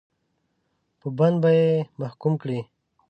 په بند به یې محکوم کړي.